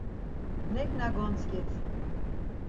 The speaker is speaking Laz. “Neǩna gontzǩit!